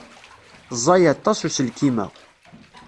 Ẓẓay aṭas uselkim-a.